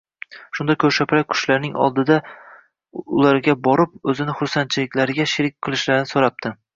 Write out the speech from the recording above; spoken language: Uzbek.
Shunda Ko‘rshapalak qushlarning oldiga borib ulardan o‘zini xursandchiliklariga sherik qilishlarini so‘rabdi